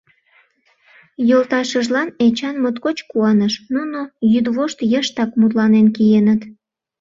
Йолташыжлан Эчан моткоч куаныш, нуно йӱдвошт йыштак мутланен киеныт.